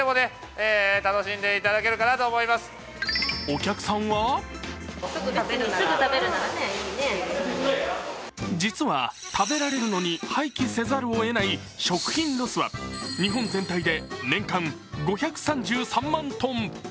お客さんは実は食べられるのに廃棄せざるをえない食品ロスは、日本全体で年間５３３万トン。